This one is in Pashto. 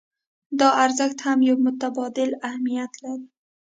دا ارزښت هم يو متبادل اهميت لري.